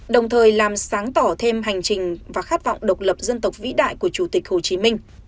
đồng thời làm sáng tỏ thêm hành trình và khát vọng độc lập dân tộc vĩ đại của chủ tịch hồ chí minh